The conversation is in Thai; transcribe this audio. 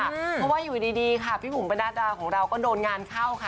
เพราะว่าอยู่ดีค่ะพี่บุ๋มประดาของเราก็โดนงานเข้าค่ะ